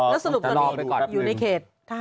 อยู่ในเขต